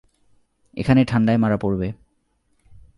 এখানে ঠান্ডায় মারা পড়বে।